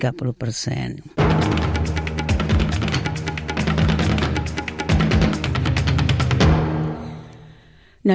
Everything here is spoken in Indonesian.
ketua kelompok advokasi utama